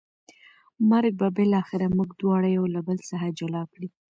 مرګ به بالاخره موږ دواړه له یو بل څخه جلا کړي.